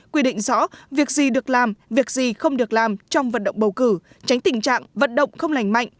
quy định rõ việc gì được làm việc gì không được làm trong vận động bầu cử tránh tình trạng vận động không lành mạnh